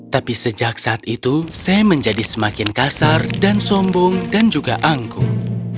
tapi sejak saat itu saya menjadi semakin kasar dan sombong dan juga angklung